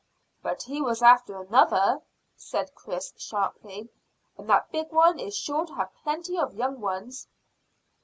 "But he was after another," said Chris sharply, "and that big one is sure to have plenty of young ones."